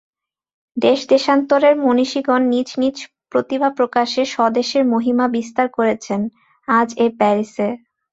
দেশ-দেশান্তরের মনীষিগণ নিজ নিজ প্রতিভাপ্রকাশে স্বদেশের মহিমা বিস্তার করছেন, আজ এ প্যারিসে।